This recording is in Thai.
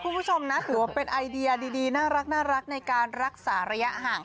คุณผู้ชมนะถือว่าเป็นไอเดียดีน่ารักในการรักษาระยะห่าง